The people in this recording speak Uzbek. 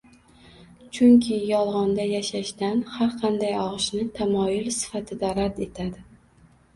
chunki “yolg‘onda yashash” dan har qanday og‘ishni Tamoyil sifatida rad etadi